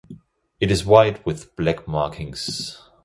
It is white with black markings.